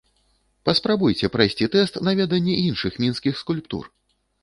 Паспрабуйце прайсці тэст на веданне іншых мінскіх скульптур!